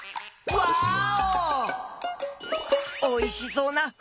ワーオ！